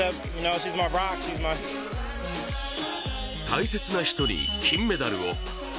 大切な人に金メダルを。